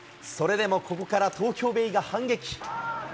それでもここから東京ベイが反撃。